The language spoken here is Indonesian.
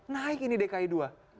naik ini dki ii